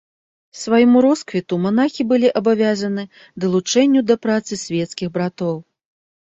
Свайму росквіту манахі былі абавязаны далучэнню да працы свецкіх братоў.